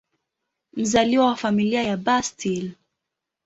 Mzaliwa wa Familia ya Bustill.